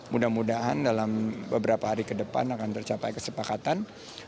mudah mudahan dalam beberapa hari ke depan akan tercapai kesepakatan